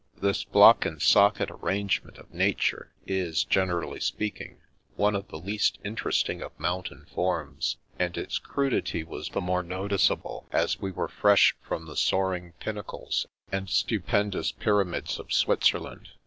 This block and socket arrangement of Nature is, generally speaking, one of the least in teresting of mountain forms, and its crudity was the more noticeable as we were fresh from the soaring pinnacles and stupendous pyramids of Switzerland.